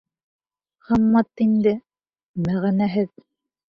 — Хаммат инде, мәғәнәһеҙ.